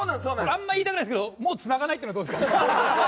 あまり言いたくないですけどもうつなげないっていうのはどうですか。